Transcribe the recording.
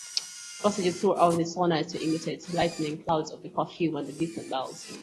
Passages throughout the sonata imitate lightning, clouds of perfume, and distant bells.